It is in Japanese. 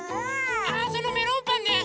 あそのメロンパンね！